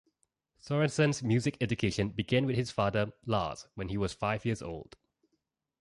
Sorenson's music education began with his father, Lars, when he was five years old.